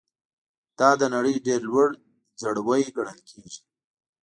دا د نړۍ ډېر لوړ ځړوی ګڼل کیږي.